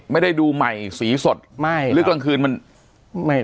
ไม่ได้ดูใหม่สีสดไม่หรือกลางคืนมันไม่